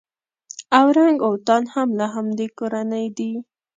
اورنګ اوتان هم له همدې کورنۍ دي.